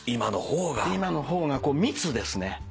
今の方が密ですね